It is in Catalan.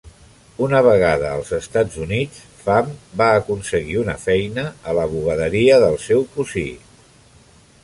Una vegada als Estats Units, Pham va aconseguir una feina a la bugaderia del seu cosí.